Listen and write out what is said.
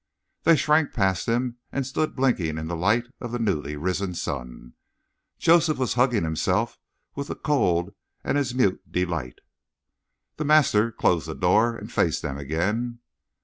They shrank past him and stood blinking in the light of the newly risen sun. Joseph was hugging himself with the cold and his mute delight. The master closed the door and faced them again.